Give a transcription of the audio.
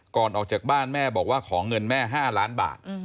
ออกจากบ้านแม่บอกว่าขอเงินแม่๕ล้านบาท